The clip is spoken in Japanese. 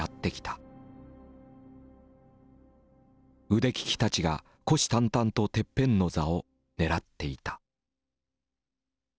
腕利きたちが虎視眈々とてっぺんの座を狙っていた。